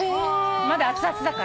まだ熱々だから。